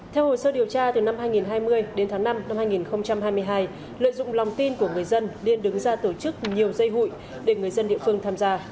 theo hồ sơ điều tra từ năm hai nghìn hai mươi đến tháng năm năm hai nghìn hai mươi hai lợi dụng lòng tin của người dân liên đứng ra tổ chức nhiều dây hụi để người dân địa phương tham gia